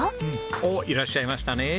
おっいらっしゃいましたね。